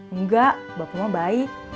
enggak bapaknya baik